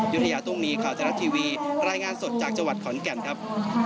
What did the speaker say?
คุณยุธยาตรงนี้ข่าวจรัสทีวีรายงานสดจากจังหวัดขอนแก่มครับ